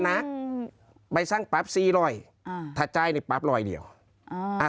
นักใบสร้างปรับซีรอยอ่าถ้าจ่ายนี่ปรับรอยเดี๋ยวอ่า